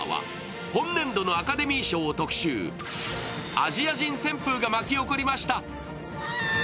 アジア人旋風が巻き起こりました。